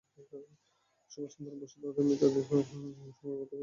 সুভাষচন্দ্র বসু তাদের মৃতদেহ সংগ্রহ করতে এখানে আসেন।